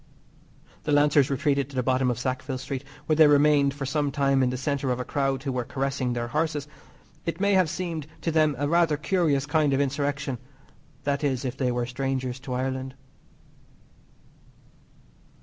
The lancers retreated to the bottom of Sackville Street, where they remained for some time in the centre of a crowd who were carressing their horses. It may have seemed to them a rather curious kind of insurrection that is, if they were strangers to Ireland.